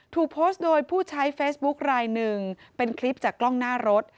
ถูกโพสต์โดยผู้ใช้เฟซบุ๊คลายหนึ่งเป็นคลิปจากกล้องหน้ารถ